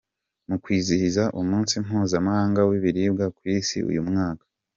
Mu kwizihiza umunsi mpuzamahanga w’ibiribwa ku isi uyu mwaka,.